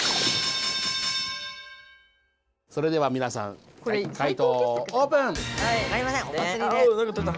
それではみなさん解答をオープン！